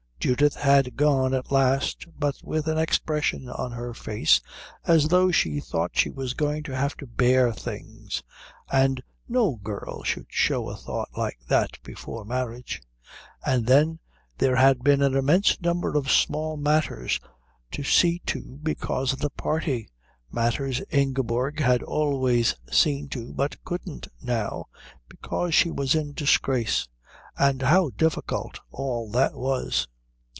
Judith had gone at last, but with an expression on her face as though she thought she was going to have to bear things, and no girl should show a thought like that before marriage. And then there had been an immense number of small matters to see to because of the party, matters Ingeborg had always seen to but couldn't now because she was in disgrace, and how difficult all that was.